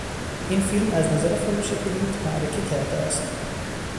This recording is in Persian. این فیلم از نظر فروش بلیط معرکه کرده است.